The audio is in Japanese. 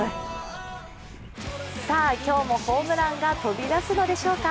さあ、今日もホームランが飛び出すのでしょうか。